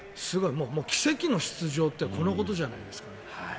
もう奇跡の出場ってこのことじゃないですかね。